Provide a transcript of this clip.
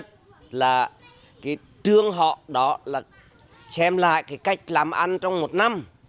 thứ nhất là cái trường họ đó là xem lại cái cách làm ăn trong một năm